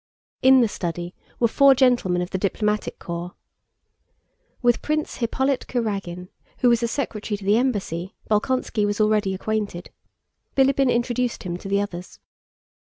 In the study were four gentlemen of the diplomatic corps. With Prince Hippolyte Kurágin, who was a secretary to the embassy, Bolkónski was already acquainted. Bilíbin introduced him to the others.